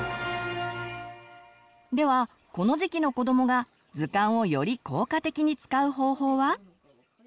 ではこの時期の子どもが図鑑をより効果的に使う方法は？